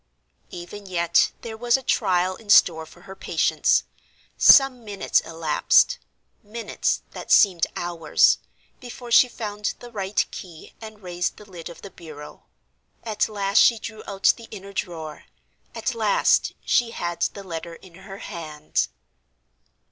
Even yet there was a trial in store for her patience. Some minutes elapsed—minutes that seemed hours—before she found the right key and raised the lid of the bureau. At last she drew out the inner drawer! At last she had the letter in her hand!